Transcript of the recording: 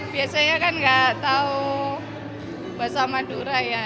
biasanya kan nggak tahu bahasa madura ya